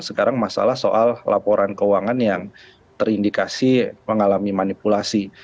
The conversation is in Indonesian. sekarang masalah soal laporan keuangan yang terindikasi mengalami manipulasi